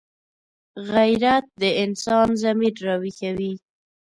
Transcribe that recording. غیرت د انسان ضمیر راویښوي